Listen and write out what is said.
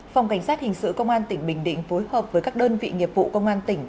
phòng cảnh sát hình sự công an tỉnh bình định phối hợp với các đơn vị nghiệp vụ công an tỉnh